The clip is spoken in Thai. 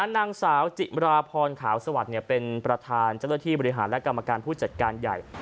นางสาวจิมราพรขาวสวัสดิ์เป็นประธานเจ้าหน้าที่บริหารและกรรมการผู้จัดการใหญ่